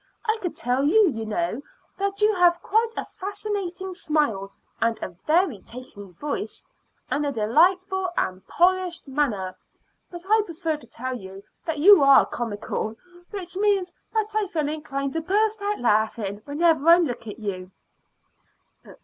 I could tell you, you know, that you have quite a fascinating smile, and a very taking voice, and a delightful and polished manner; but I prefer to tell you that you are comical, which means that I feel inclined to burst out laughing whenever I look at you."